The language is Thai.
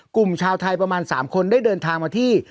กลุ่มชาวไทยประมาณ๓คนได้เดินทางมาที่